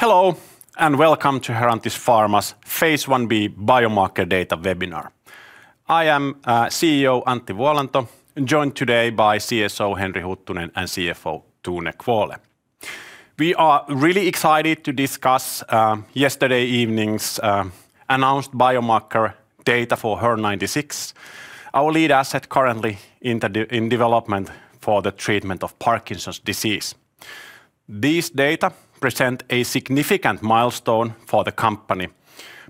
Hello and welcome to Herantis Pharma's Phase 1b Biomarker Data webinar. I am CEO Antti Vuolanto, joined today by CSO Henri Huttunen and CFO Tone Kvåle. We are really excited to discuss yesterday evening's announced biomarker data for HER-096, our lead asset currently in development for the treatment of Parkinson's disease. These data present a significant milestone for the company,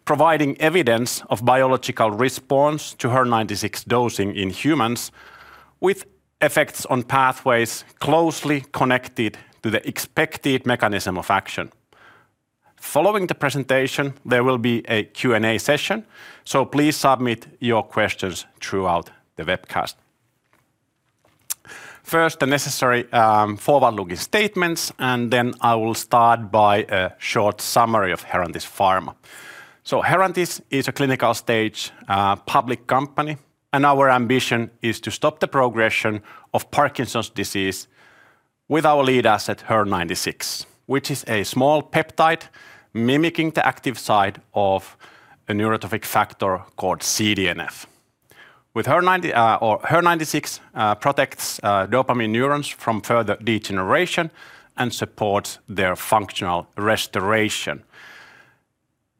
providing evidence of biological response to HER-096 dosing in humans, with effects on pathways closely connected to the expected mechanism of action. Following the presentation, there will be a Q&A session, so please submit your questions throughout the webcast. First, the necessary forward-looking statements, and then I will start by a short summary of Herantis Pharma. Herantis is a clinical stage public company, and our ambition is to stop the progression of Parkinson's disease with our lead asset HER-096, which is a small peptide mimicking the active site of a neurotrophic factor called CDNF. With HER-096, it protects dopamine neurons from further degeneration and supports their functional restoration.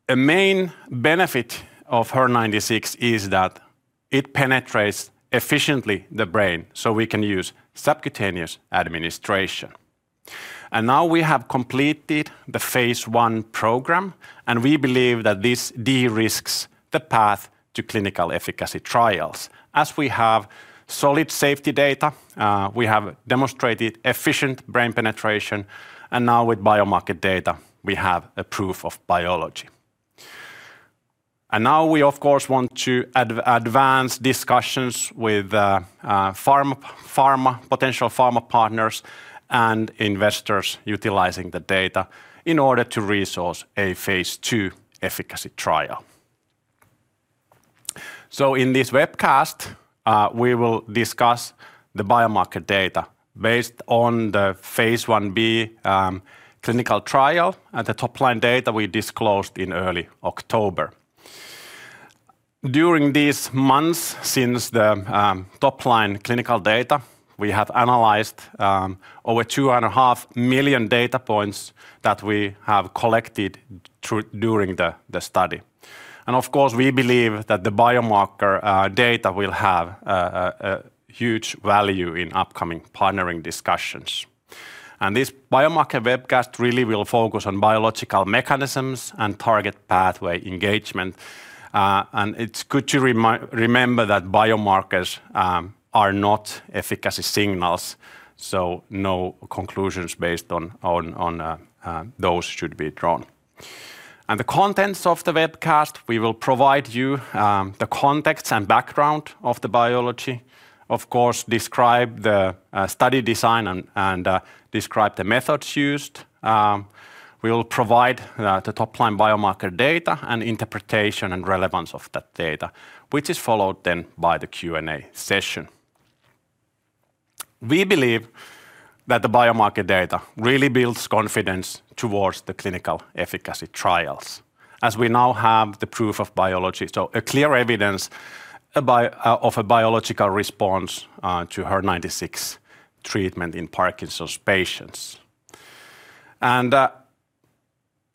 A main benefit of HER-096 is that it penetrates efficiently the brain, so we can use subcutaneous administration. We have completed the Phase 1 program, and we believe that this de-risks the path to clinical efficacy trials. As we have solid safety data, we have demonstrated efficient brain penetration, and now with biomarker data, we have a proof of biology. We, of course, want to advance discussions with potential pharma partners and investors utilizing the data in order to resource a Phase 2 efficacy trial. In this webcast, we will discuss the biomarker data based on the Phase 1b clinical trial and the top-line data we disclosed in early October. During these months since the top-line clinical data, we have analyzed over two and a half million data points that we have collected during the study. Of course, we believe that the biomarker data will have a huge value in upcoming partnering discussions. This biomarker webcast really will focus on biological mechanisms and target pathway engagement. It's good to remember that biomarkers are not efficacy signals, so no conclusions based on those should be drawn. The contents of the webcast, we will provide you the context and background of the biology, of course, describe the study design and describe the methods used. We will provide the top-line biomarker data and interpretation and relevance of that data, which is followed then by the Q&A session. We believe that the biomarker data really builds confidence towards the clinical efficacy trials, as we now have the proof of biology, so clear evidence of a biological response to HER-096 treatment in Parkinson's patients, and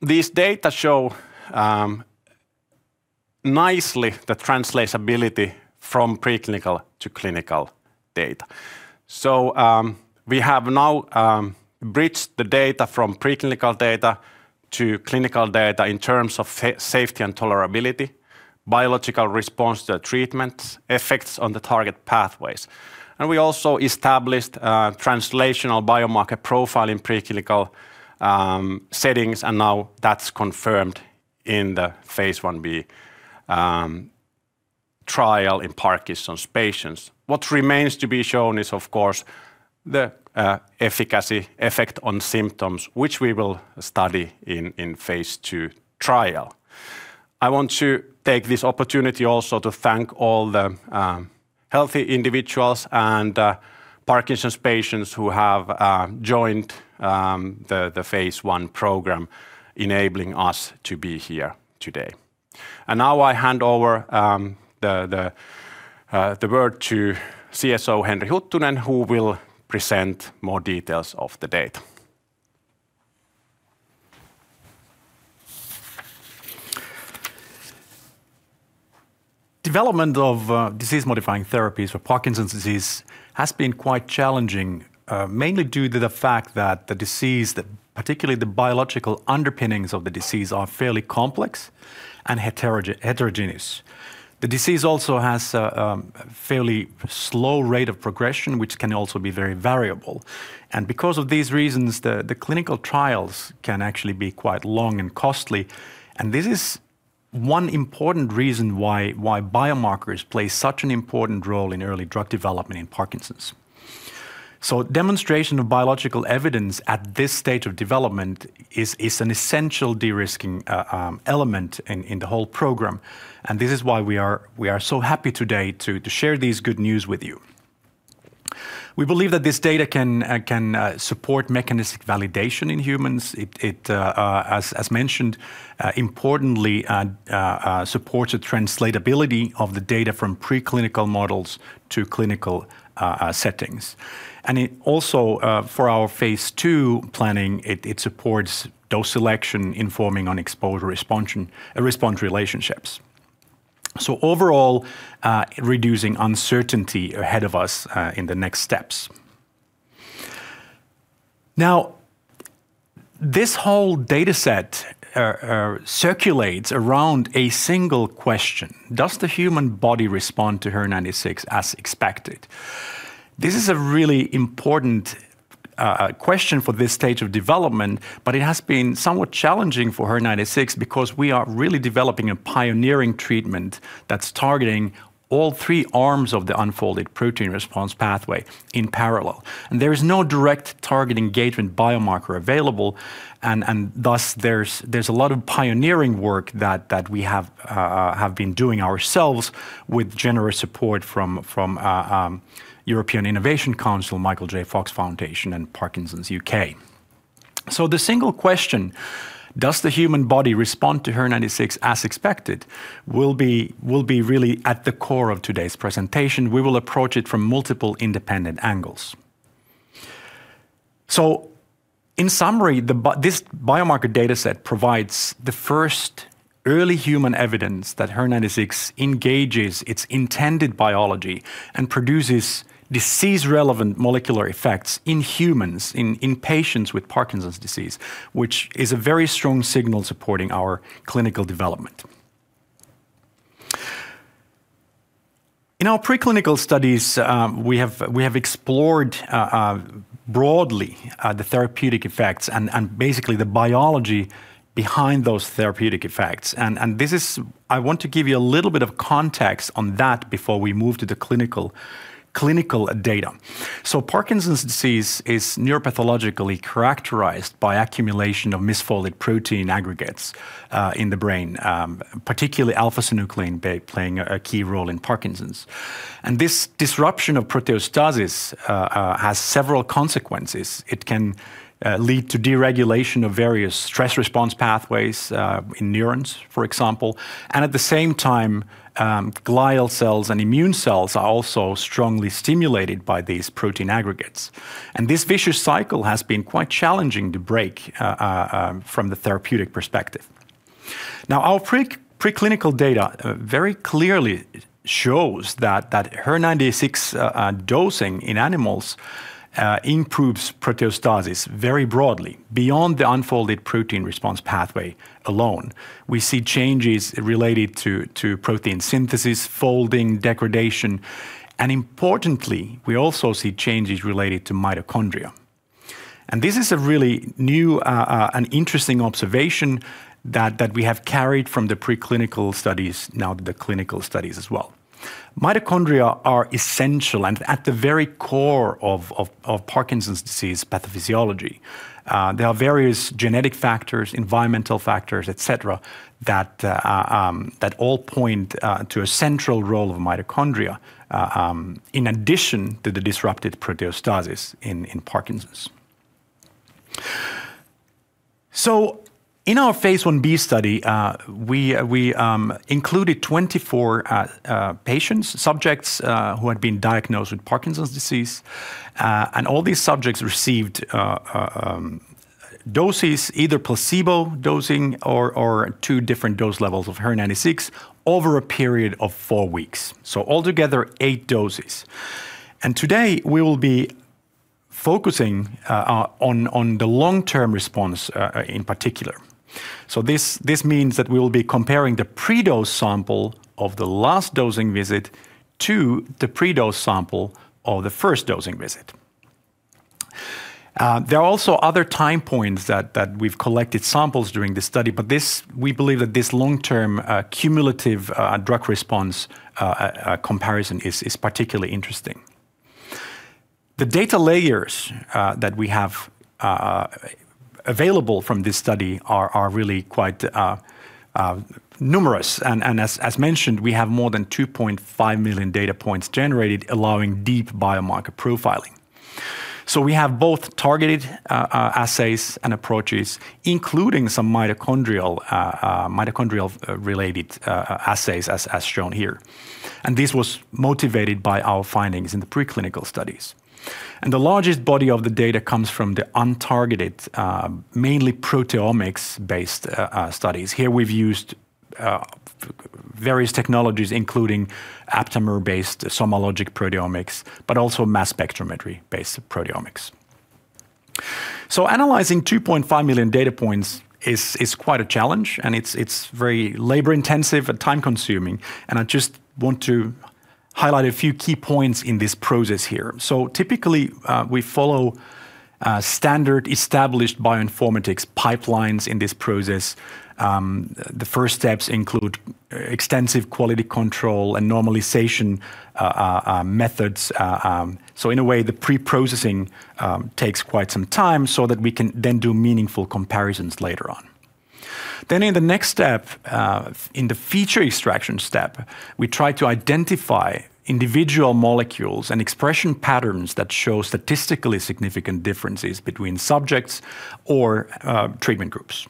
these data show nicely the translatability from preclinical to clinical data, so we have now bridged the data from preclinical data to clinical data in terms of safety and tolerability, biological response to the treatments, effects on the target pathways, and we also established a translational biomarker profile in preclinical settings, and now that's confirmed in the Phase 1b trial in Parkinson's patients. What remains to be shown is, of course, the efficacy effect on symptoms, which we will study in Phase 2 trial. I want to take this opportunity also to thank all the healthy individuals and Parkinson's patients who have joined the Phase 1 program, enabling us to be here today, and now I hand over the word to CSO Henri Huttunen, who will present more details of the data. Development of disease-modifying therapies for Parkinson's disease has been quite challenging, mainly due to the fact that the disease, particularly the biological underpinnings of the disease, are fairly complex and heterogeneous. The disease also has a fairly slow rate of progression, which can also be very variable. And because of these reasons, the clinical trials can actually be quite long and costly. And this is one important reason why biomarkers play such an important role in early drug development in Parkinson's. So demonstration of biological evidence at this stage of development is an essential de-risking element in the whole program. And this is why we are so happy today to share this good news with you. We believe that this data can support mechanistic validation in humans. It, as mentioned, importantly supports the translatability of the data from preclinical models to clinical settings. And also, for our Phase 2 planning, it supports dose selection, informing on exposure-response relationships. So overall, reducing uncertainty ahead of us in the next steps. Now, this whole dataset circulates around a single question: Does the human body respond to HER-096 as expected? This is a really important question for this stage of development, but it has been somewhat challenging for HER-096 because we are really developing a pioneering treatment that's targeting all three arms of the unfolded protein response pathway in parallel. And there is no direct target engagement biomarker available, and thus there's a lot of pioneering work that we have been doing ourselves with generous support from European Innovation Council, Michael J. Fox Foundation, and Parkinson's UK. So the single question, does the human body respond to HER-096 as expected, will be really at the core of today's presentation. We will approach it from multiple independent angles. So in summary, this biomarker dataset provides the first early human evidence that HER-096 engages its intended biology and produces disease-relevant molecular effects in humans, in patients with Parkinson's disease, which is a very strong signal supporting our clinical development. In our preclinical studies, we have explored broadly the therapeutic effects and basically the biology behind those therapeutic effects. And I want to give you a little bit of context on that before we move to the clinical data. So Parkinson's disease is neuropathologically characterized by accumulation of misfolded protein aggregates in the brain, particularly alpha-synuclein playing a key role in Parkinson's. And this disruption of proteostasis has several consequences. It can lead to deregulation of various stress response pathways in neurons, for example. And at the same time, glial cells and immune cells are also strongly stimulated by these protein aggregates. This vicious cycle has been quite challenging to break from the therapeutic perspective. Now, our preclinical data very clearly shows that HER-096 dosing in animals improves proteostasis very broadly, beyond the unfolded protein response pathway alone. We see changes related to protein synthesis, folding, degradation, and importantly, we also see changes related to mitochondria. This is a really new and interesting observation that we have carried from the preclinical studies, now the clinical studies as well. Mitochondria are essential and at the very core of Parkinson's disease pathophysiology. There are various genetic factors, environmental factors, etc., that all point to a central role of mitochondria in addition to the disrupted proteostasis in Parkinson's. In our Phase 1b study, we included 24 patients, subjects who had been diagnosed with Parkinson's disease. All these subjects received doses, either placebo dosing or two different dose levels of HER-096 over a period of four weeks, so altogether eight doses, and today we will be focusing on the long-term response in particular, so this means that we will be comparing the predose sample of the last dosing visit to the predose sample of the first dosing visit. There are also other time points that we've collected samples during the study, but we believe that this long-term cumulative drug response comparison is particularly interesting. The data layers that we have available from this study are really quite numerous, and as mentioned, we have more than 2.5 million data points generated, allowing deep biomarker profiling, so we have both targeted assays and approaches, including some mitochondrial-related assays, as shown here, and this was motivated by our findings in the preclinical studies. The largest body of the data comes from the untargeted, mainly proteomics-based studies. Here we've used various technologies, including aptamer-based SomaLogic proteomics, but also mass spectrometry-based proteomics. Analyzing 2.5 million data points is quite a challenge, and it's very labor-intensive and time-consuming. I just want to highlight a few key points in this process here. Typically, we follow standard established bioinformatics pipelines in this process. The first steps include extensive quality control and normalization methods. In a way, the pre-processing takes quite some time so that we can then do meaningful comparisons later on. In the next step, in the feature extraction step, we try to identify individual molecules and expression patterns that show statistically significant differences between subjects or treatment groups.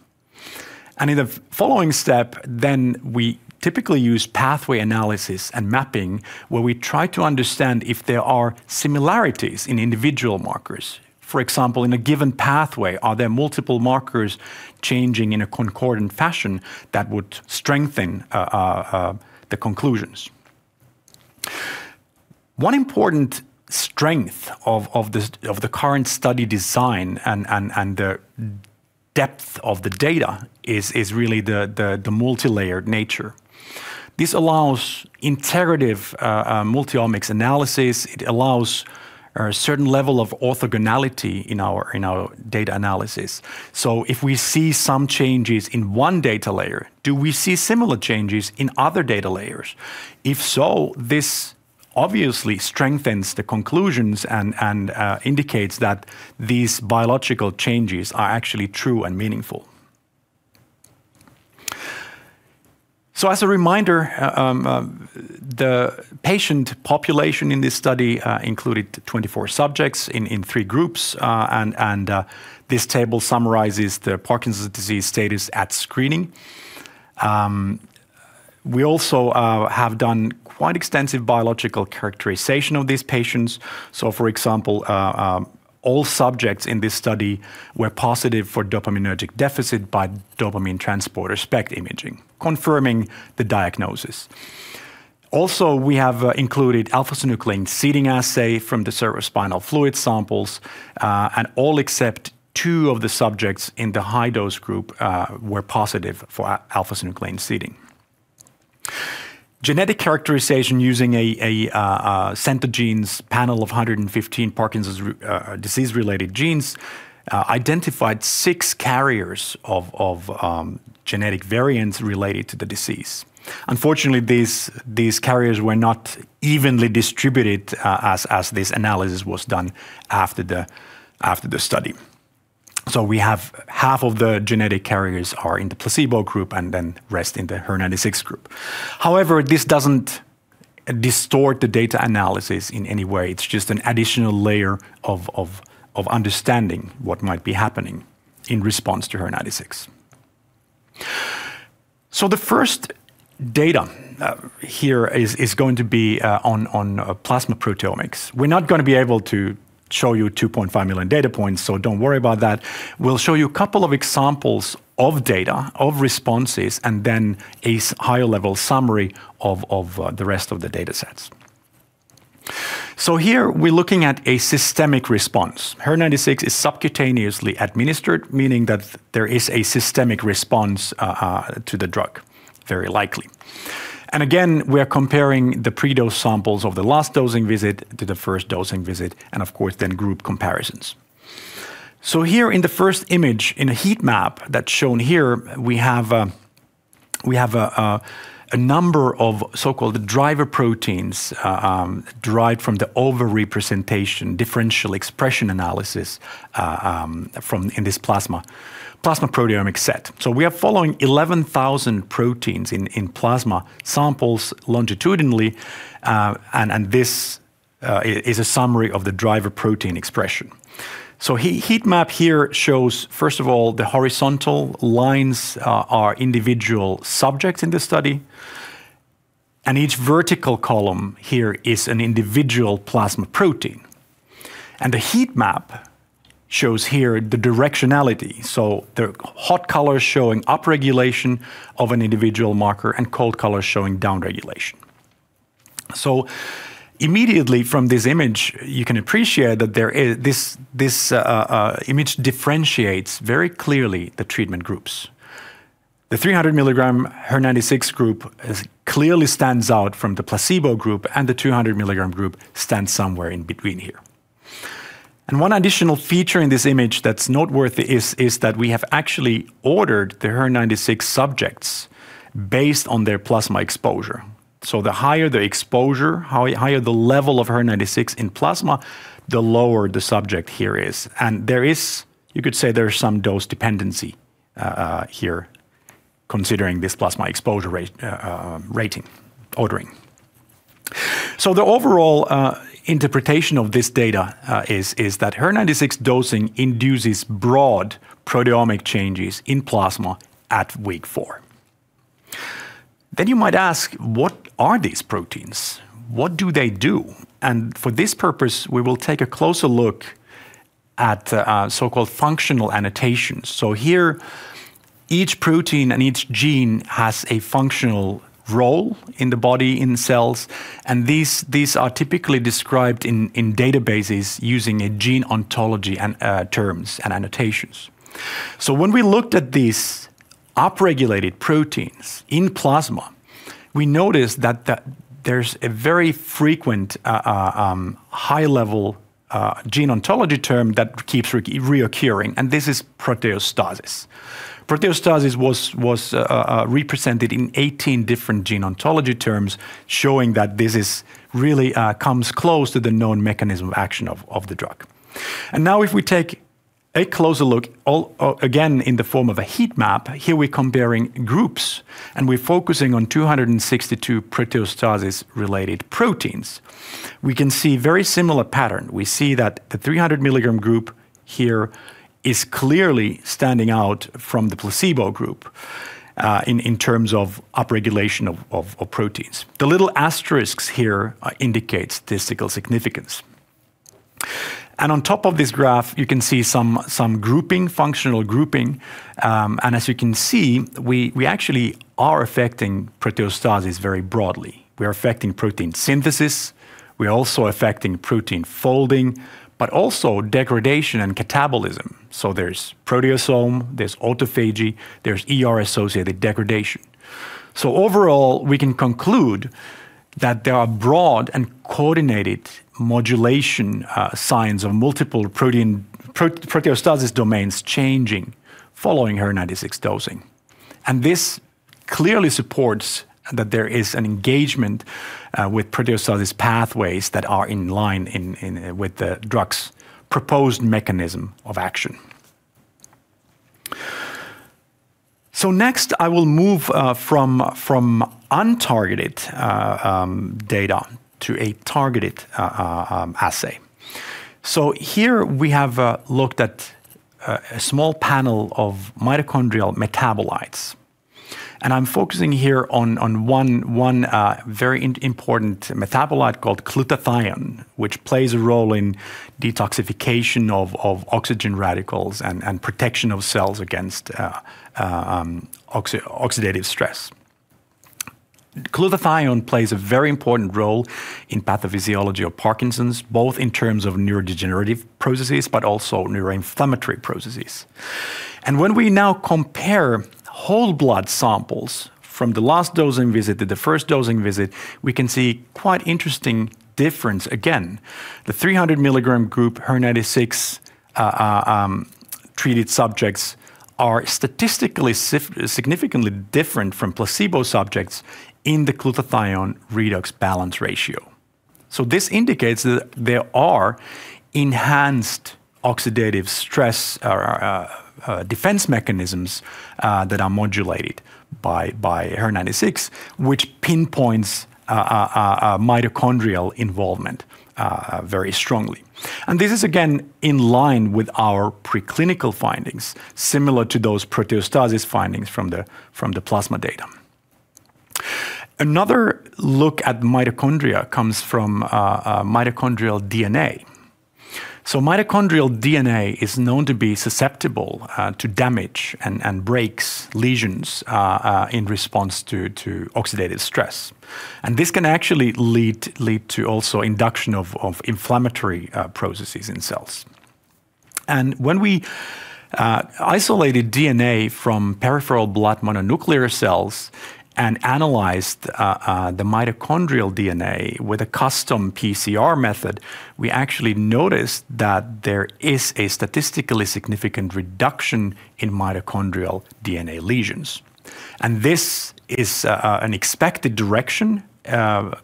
In the following step, then we typically use pathway analysis and mapping, where we try to understand if there are similarities in individual markers. For example, in a given pathway, are there multiple markers changing in a concordant fashion that would strengthen the conclusions? One important strength of the current study design and the depth of the data is really the multi-layered nature. This allows integrative multi-omics analysis. It allows a certain level of orthogonality in our data analysis. If we see some changes in one data layer, do we see similar changes in other data layers? If so, this obviously strengthens the conclusions and indicates that these biological changes are actually true and meaningful. As a reminder, the patient population in this study included 24 subjects in three groups. This table summarizes the Parkinson's disease status at screening. We also have done quite extensive biological characterization of these patients. So for example, all subjects in this study were positive for dopaminergic deficit by dopamine transporter SPECT imaging, confirming the diagnosis. Also, we have included alpha-synuclein seeding assay from the cerebrospinal fluid samples, and all except two of the subjects in the high-dose group were positive for alpha-synuclein seeding. Genetic characterization using a Centogene panel of 115 Parkinson's disease-related genes identified six carriers of genetic variants related to the disease. Unfortunately, these carriers were not evenly distributed as this analysis was done after the study. So we have half of the genetic carriers are in the placebo group and then rest in the HER-096 group. However, this doesn't distort the data analysis in any way. It's just an additional layer of understanding what might be happening in response to HER-096. So the first data here is going to be on plasma proteomics. We're not going to be able to show you 2.5 million data points, so don't worry about that. We'll show you a couple of examples of data, of responses, and then a higher-level summary of the rest of the datasets. So here, we're looking at a systemic response. HER-096 is subcutaneously administered, meaning that there is a systemic response to the drug, very likely. And again, we are comparing the predose samples of the last dosing visit to the first dosing visit, and of course, then group comparisons. So here in the first image, in a heat map that's shown here, we have a number of so-called driver proteins derived from the over-representation differential expression analysis in this plasma proteomic set. So we are following 11,000 proteins in plasma samples longitudinally, and this is a summary of the driver protein expression. So heat map here shows, first of all, the horizontal lines are individual subjects in the study, and each vertical column here is an individual plasma protein. And the heat map shows here the directionality. So the hot colors showing upregulation of an individual marker and cold colors showing downregulation. So immediately from this image, you can appreciate that this image differentiates very clearly the treatment groups. The 300 mg HER-096 group clearly stands out from the placebo group, and the 200 milligram group stands somewhere in between here. And one additional feature in this image that's noteworthy is that we have actually ordered the HER-096 subjects based on their plasma exposure. So the higher the exposure, higher the level of HER-096 in plasma, the lower the subject here is. You could say there's some dose dependency here considering this plasma exposure rating ordering. So the overall interpretation of this data is that HER-096 dosing induces broad proteomic changes in plasma at week four. Then you might ask, what are these proteins? What do they do? And for this purpose, we will take a closer look at so-called functional annotations. So here, each protein and each gene has a functional role in the body, in cells, and these are typically described in databases using gene ontology terms and annotations. So when we looked at these upregulated proteins in plasma, we noticed that there's a very frequent high-level gene ontology term that keeps recurring, and this is proteostasis. Proteostasis was represented in 18 different gene ontology terms, showing that this really comes close to the known mechanism of action of the drug. Now if we take a closer look, again in the form of a heat map, here we're comparing groups and we're focusing on 262 proteostasis-related proteins. We can see a very similar pattern. We see that the 300 milligram group here is clearly standing out from the placebo group in terms of upregulation of proteins. The little asterisks here indicate statistical significance. On top of this graph, you can see some functional grouping. As you can see, we actually are affecting proteostasis very broadly. We are affecting protein synthesis. We are also affecting protein folding, but also degradation and catabolism. There's proteasome, there's autophagy, there's ER-associated degradation. Overall, we can conclude that there are broad and coordinated modulation signs of multiple proteostasis domains changing following HER-096 dosing. And this clearly supports that there is an engagement with proteostasis pathways that are in line with the drug's proposed mechanism of action. So next, I will move from untargeted data to a targeted assay. So here we have looked at a small panel of mitochondrial metabolites. And I'm focusing here on one very important metabolite called glutathione, which plays a role in detoxification of oxygen radicals and protection of cells against oxidative stress. Glutathione plays a very important role in pathophysiology of Parkinson's, both in terms of neurodegenerative processes, but also neuroinflammatory processes. And when we now compare whole blood samples from the last dosing visit to the first dosing visit, we can see quite interesting difference. Again, the 300 mg group HER-096 treated subjects are statistically significantly different from placebo subjects in the glutathione-redox balance ratio. This indicates that there are enhanced oxidative stress defense mechanisms that are modulated by HER-096, which pinpoints mitochondrial involvement very strongly. This is, again, in line with our preclinical findings, similar to those proteostasis findings from the plasma data. Another look at mitochondria comes from mitochondrial DNA. Mitochondrial DNA is known to be susceptible to damage and breaks lesions in response to oxidative stress. This can actually lead to also induction of inflammatory processes in cells. When we isolated DNA from peripheral blood mononuclear cells and analyzed the mitochondrial DNA with a custom PCR method, we actually noticed that there is a statistically significant reduction in mitochondrial DNA lesions. This is an expected direction,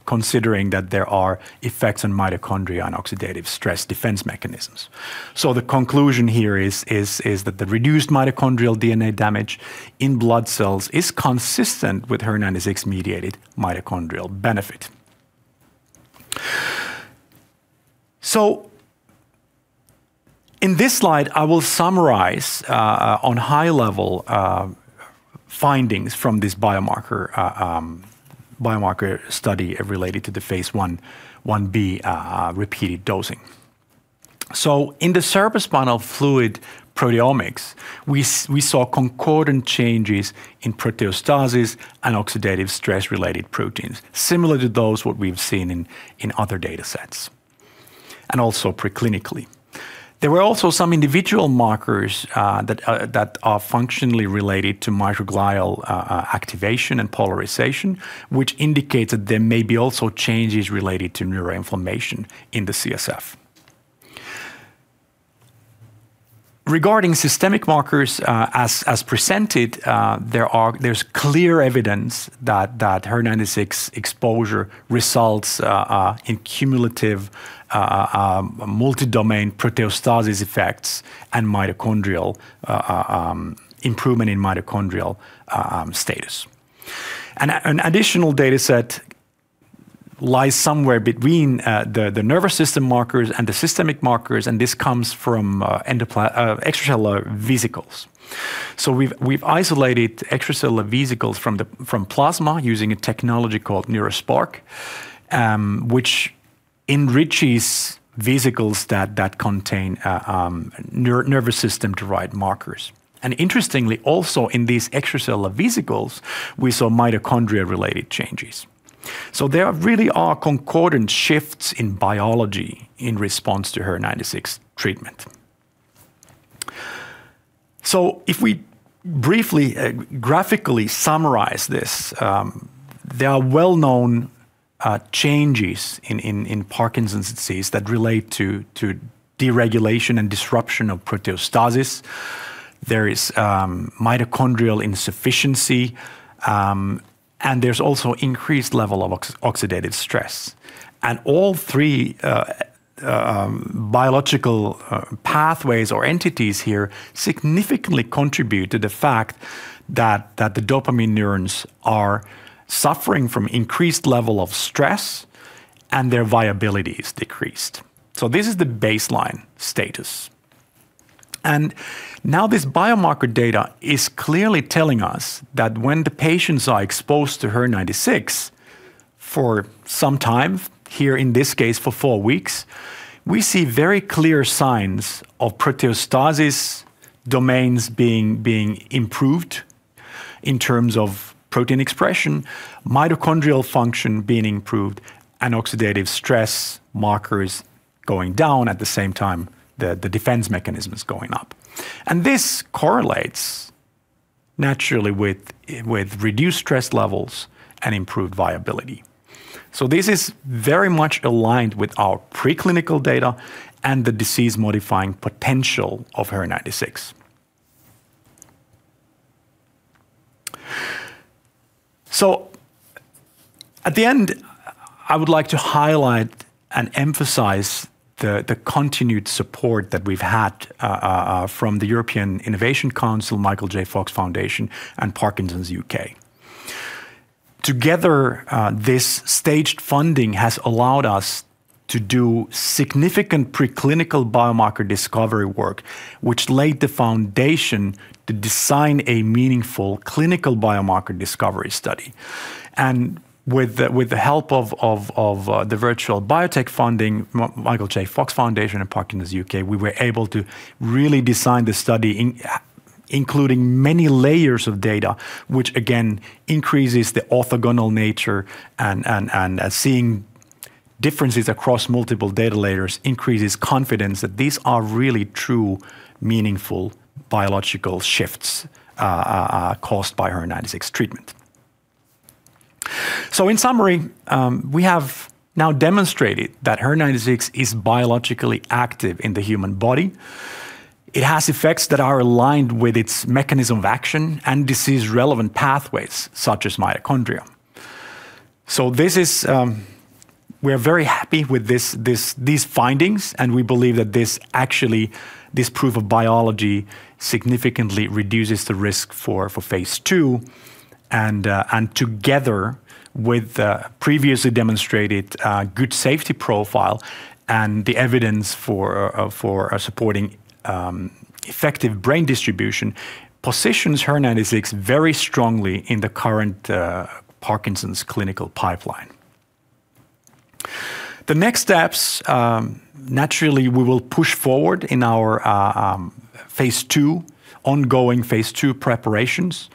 considering that there are effects on mitochondria and oxidative stress defense mechanisms. The conclusion here is that the reduced mitochondrial DNA damage in blood cells is consistent with HER-096-mediated mitochondrial benefit. In this slide, I will summarize on high-level findings from this biomarker study related to the Phase 1b repeated dosing. In the cerebrospinal fluid proteomics, we saw concordant changes in proteostasis and oxidative stress-related proteins, similar to those what we've seen in other datasets, and also preclinically. There were also some individual markers that are functionally related to microglial activation and polarization, which indicates that there may be also changes related to neuroinflammation in the CSF. Regarding systemic markers as presented, there's clear evidence that HER-096 exposure results in cumulative multi-domain proteostasis effects and improvement in mitochondrial status. An additional dataset lies somewhere between the nervous system markers and the systemic markers, and this comes from extracellular vesicles. We've isolated extracellular vesicles from plasma using a technology called NeuroSpark, which enriches vesicles that contain nervous system-derived markers. Interestingly, also in these extracellular vesicles, we saw mitochondria-related changes. There really are concordant shifts in biology in response to HER-096 treatment. If we briefly graphically summarize this, there are well-known changes in Parkinson's disease that relate to deregulation and disruption of proteostasis. There is mitochondrial insufficiency, and there's also increased level of oxidative stress. All three biological pathways or entities here significantly contribute to the fact that the dopamine neurons are suffering from increased level of stress and their viability is decreased. This is the baseline status. And now this biomarker data is clearly telling us that when the patients are exposed to HER-096 for some time, here in this case for four weeks, we see very clear signs of proteostasis domains being improved in terms of protein expression, mitochondrial function being improved, and oxidative stress markers going down at the same time the defense mechanism is going up. And this correlates naturally with reduced stress levels and improved viability. So this is very much aligned with our preclinical data and the disease-modifying potential of HER-096. So at the end, I would like to highlight and emphasize the continued support that we've had from the European Innovation Council, Michael J. Fox Foundation, and Parkinson's UK. Together, this staged funding has allowed us to do significant preclinical biomarker discovery work, which laid the foundation to design a meaningful clinical biomarker discovery study. And with the help of the virtual biotech funding, Michael J. Fox Foundation and Parkinson's UK, we were able to really design the study, including many layers of data, which again increases the orthogonal nature and seeing differences across multiple data layers increases confidence that these are really true, meaningful biological shifts caused by HER96 treatment. So in summary, we have now demonstrated that HER-096 is biologically active in the human body. It has effects that are aligned with its mechanism of action and disease-relevant pathways, such as mitochondria. So we are very happy with these findings, and we believe that this proof of biology significantly reduces the risk for Phase 2. And together with the previously demonstrated good safety profile and the evidence for supporting effective brain distribution, positions HER96 very strongly in the current Parkinson's clinical pipeline. The next steps, naturally, we will push forward in our ongoing Phase 2 preparations,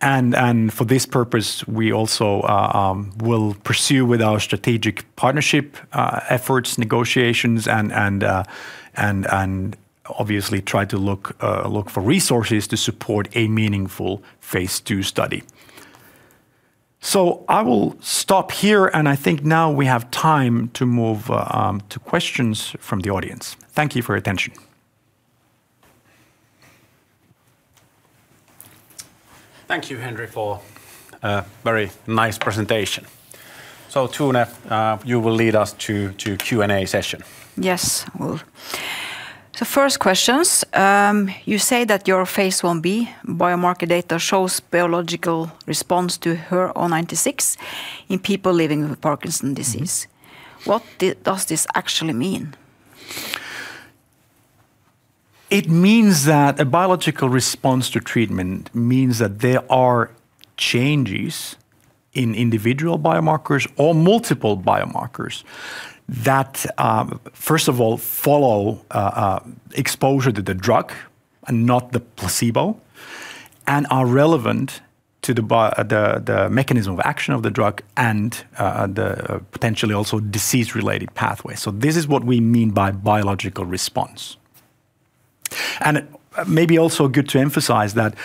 and for this purpose, we also will pursue with our strategic partnership efforts, negotiations, and obviously try to look for resources to support a meaningful Phase 2 study, so I will stop here, and I think now we have time to move to questions from the audience. Thank you for your attention. Thank you, Henri, for a very nice presentation, so Tone, you will lead us to the Q&A session. Yes, I will, so first questions. You say that your Phase 1b biomarker data shows biological response to HER96 in people living with Parkinson's disease. What does this actually mean? It means that a biological response to treatment means that there are changes in individual biomarkers or multiple biomarkers that, first of all, follow exposure to the drug and not the placebo and are relevant to the mechanism of action of the drug and the potentially also disease-related pathways, so this is what we mean by biological response, and maybe also good to emphasize that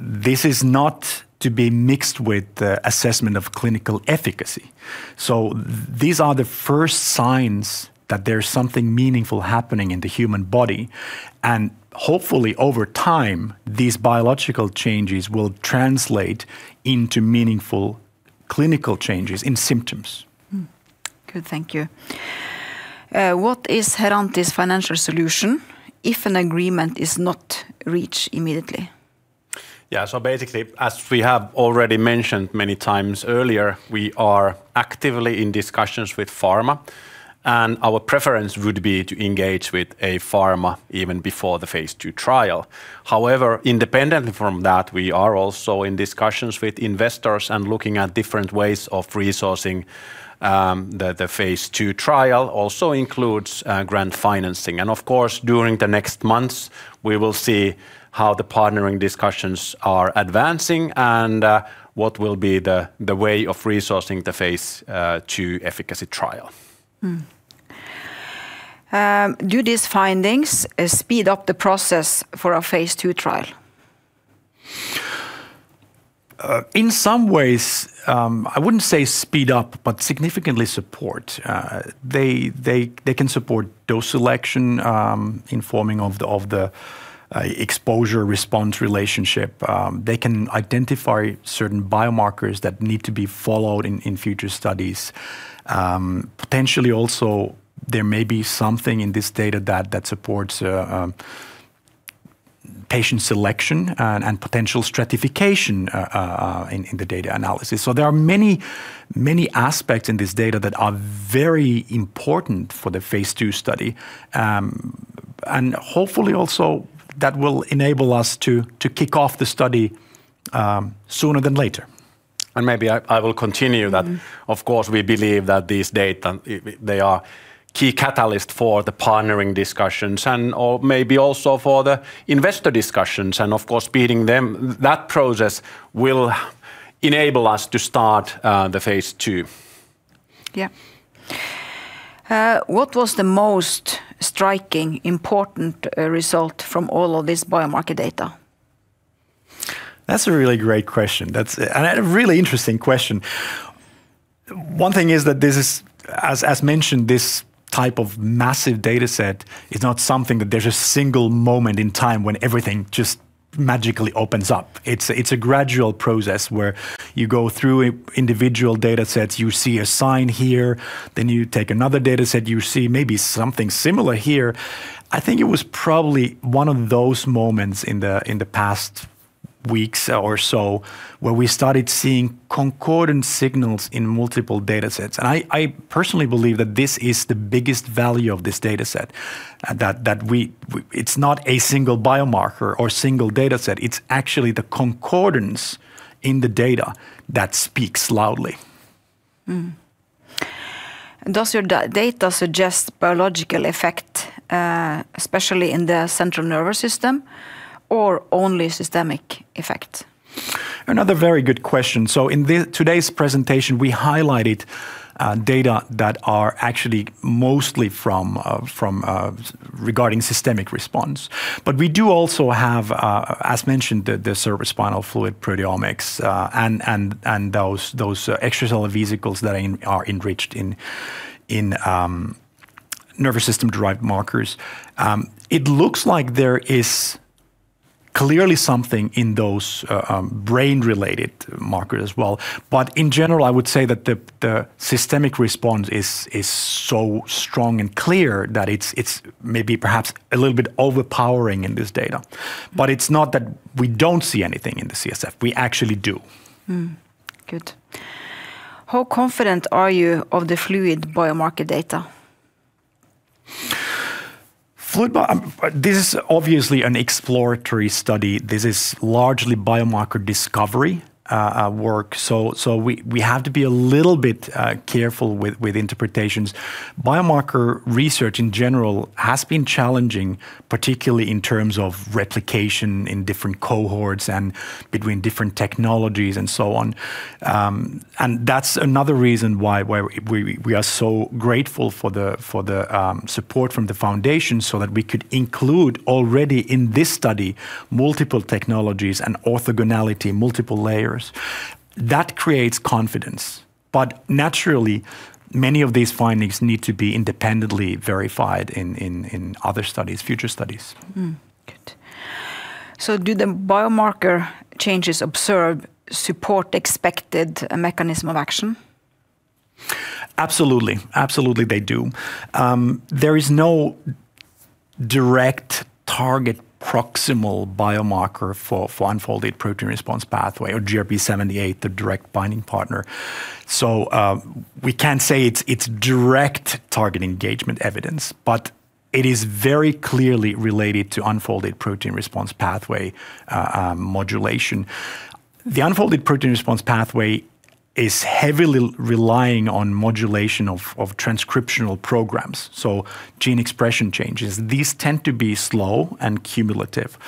this is not to be mixed with the assessment of clinical efficacy, so these are the first signs that there's something meaningful happening in the human body, and hopefully, over time, these biological changes will translate into meaningful clinical changes in symptoms. Good, thank you. What is Herantis' financial solution if an agreement is not reached immediately? Yeah, so basically, as we have already mentioned many times earlier, we are actively in discussions with pharma, and our preference would be to engage with a pharma even before the Phase 2 trial. However, independently from that, we are also in discussions with investors and looking at different ways of resourcing the Phase 2 trial, which also includes grant financing, and of course, during the next months, we will see how the partnering discussions are advancing and what will be the way of resourcing the Phase 2 efficacy trial. Do these findings speed up the process for a Phase 2 trial? In some ways, I wouldn't say speed up, but significantly support. They can support dose selection, informing of the exposure-response relationship. They can identify certain biomarkers that need to be followed in future studies. Potentially, also, there may be something in this data that supports patient selection and potential stratification in the data analysis. So there are many aspects in this data that are very important for the Phase 2 study. And hopefully, also, that will enable us to kick off the study sooner than later. And maybe I will continue that, of course, we believe that these data, they are a key catalyst for the partnering discussions and maybe also for the investor discussions. And of course, that process will enable us to start the Phase 2. Yeah. What was the most striking important result from all of this biomarker data? That's a really great question, and a really interesting question. One thing is that this is, as mentioned, this type of massive dataset is not something that there's a single moment in time when everything just magically opens up. It's a gradual process where you go through individual datasets, you see a sign here, then you take another dataset, you see maybe something similar here. I think it was probably one of those moments in the past weeks or so where we started seeing concordant signals in multiple datasets, and I personally believe that this is the biggest value of this dataset, that it's not a single biomarker or single dataset. It's actually the concordance in the data that speaks loudly. Does your data suggest biological effect, especially in the central nervous system, or only systemic effect? Another very good question. So in today's presentation, we highlighted data that are actually mostly regarding systemic response. But we do also have, as mentioned, the cerebrospinal fluid proteomics and those extracellular vesicles that are enriched in nervous system-derived markers. It looks like there is clearly something in those brain-related markers as well. But in general, I would say that the systemic response is so strong and clear that it's maybe perhaps a little bit overpowering in this data. But it's not that we don't see anything in the CSF. We actually do. Good. How confident are you of the fluid biomarker data? This is obviously an exploratory study. This is largely biomarker discovery work. So we have to be a little bit careful with interpretations. Biomarker research in general has been challenging, particularly in terms of replication in different cohorts and between different technologies and so on. And that's another reason why we are so grateful for the support from the foundation so that we could include already in this study multiple technologies and orthogonality, multiple layers. That creates confidence. But naturally, many of these findings need to be independently verified in other studies, future studies. Good. So, do the biomarker changes observed support expected mechanism of action? Absolutely. Absolutely, they do. There is no direct target proximal biomarker for unfolded protein response pathway or GRP78, the direct binding partner. So we can't say it's direct target engagement evidence, but it is very clearly related to unfolded protein response pathway modulation. The unfolded protein response pathway is heavily relying on modulation of transcriptional programs, so gene expression changes. These tend to be slow and cumulative,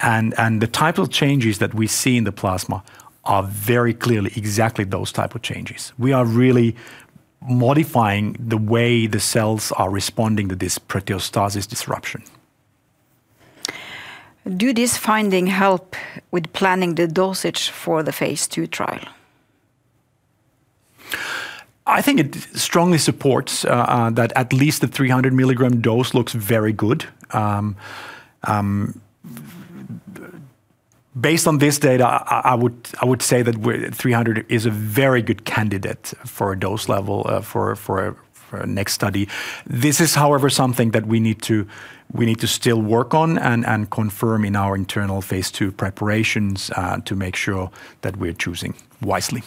and the type of changes that we see in the plasma are very clearly exactly those type of changes. We are really modifying the way the cells are responding to this proteostasis disruption. Do these findings help with planning the dosage for the Phase 2 trial? I think it strongly supports that at least the 300 mg dose looks very good. Based on this data, I would say that 300 is a very good candidate for a dose level for a next study. This is, however, something that we need to still work on and confirm in our internal Phase 2 preparations to make sure that we're choosing wisely.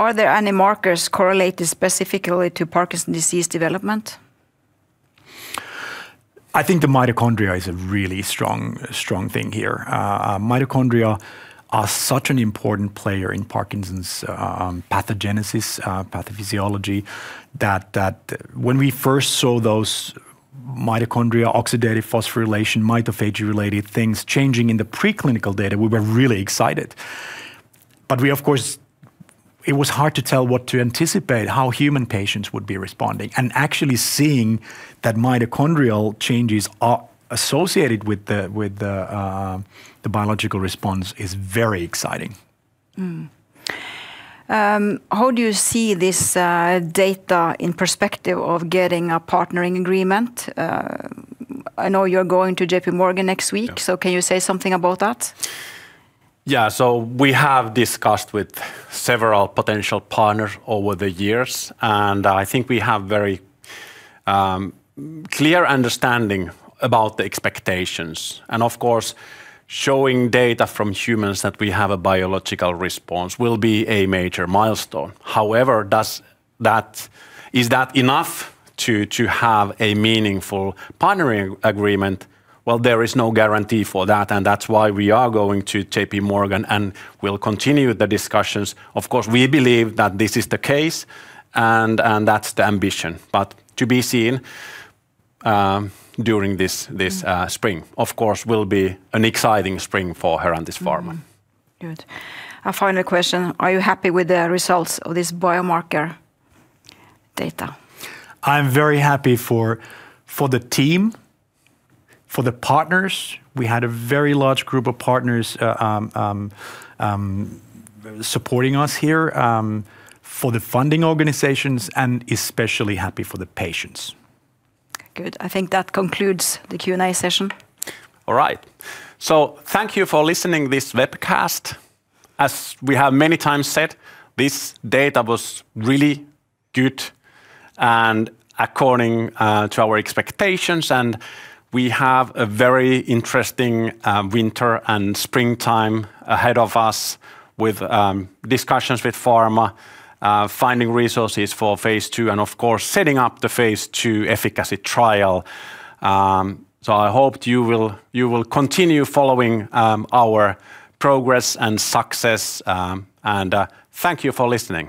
Are there any markers correlated specifically to Parkinson's disease development? I think the mitochondria is a really strong thing here. Mitochondria are such an important player in Parkinson's pathogenesis, pathophysiology, that when we first saw those mitochondrial oxidative phosphorylation, mitophagy-related things changing in the preclinical data, we were really excited. But we, of course, it was hard to tell what to anticipate, how human patients would be responding. Actually seeing that mitochondrial changes are associated with the biological response is very exciting. How do you see this data in perspective of getting a partnering agreement? I know you're going to J.P. Morgan next week, so can you say something about that? Yeah, so we have discussed with several potential partners over the years, and I think we have a very clear understanding about the expectations, and of course, showing data from humans that we have a biological response will be a major milestone. However, is that enough to have a meaningful partnering agreement, well, there is no guarantee for that, and that's why we are going to J.P. Morgan and will continue the discussions. Of course, we believe that this is the case, and that's the ambition, but to be seen during this spring, of course, will be an exciting spring for Herantis Pharma. Good. A final question. Are you happy with the results of this biomarker data? I'm very happy for the team, for the partners. We had a very large group of partners supporting us here, for the funding organizations, and especially happy for the patients. Good. I think that concludes the Q&A session. All right, so thank you for listening to this webcast. As we have many times said, this data was really good and according to our expectations, and we have a very interesting winter and springtime ahead of us with discussions with pharma, finding resources for Phase 2, and of course, setting up the Phase 2 efficacy trial, so I hope you will continue following our progress and success, and thank you for listening.